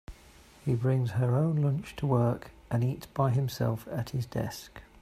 He brings her own lunch to work, and eats by himself at his desk.